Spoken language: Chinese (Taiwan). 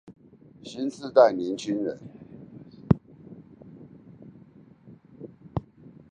新世代年輕人